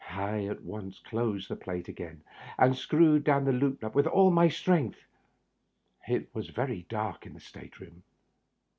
I at once closed the plate again and screwed down the loop nut with all my strength. It was very dark in the state room.